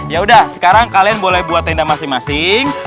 yaudah sekarang kalian boleh buat tenda masing masing